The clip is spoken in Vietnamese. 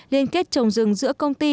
liên kết trồng rừng giữa công ty